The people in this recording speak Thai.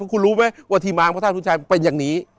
คุณรู้ไหมวัฒิมางพระทาสชุนชายเป็นอย่างนี้